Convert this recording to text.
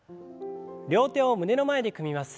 両手を胸の前で組みます。